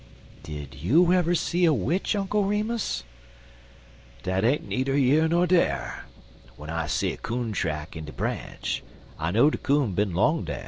"Did you ever see a witch, Uncle Remus?" "Dat ain't needer yer ner dar. W'en I see coon track in de branch, I know de coon bin 'long dar."